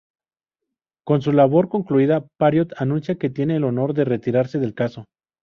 Con su labor concluida, Poirot anuncia que tiene "el honor de retirarse del caso".